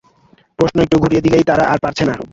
প্রশ্ন একটু ঘুরিয়ে দিলেই তাঁরা আর পারছে না।